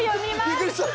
びっくりした。